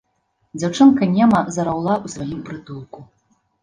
Дзяўчынка нема зараўла ў сваім прытулку.